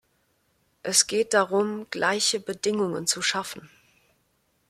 Es geht darum, gleiche Bedingungen zu schaffen.